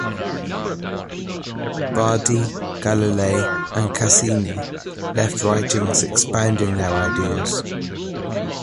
Bardi, Galilei, and Caccini left writings expounding their ideas.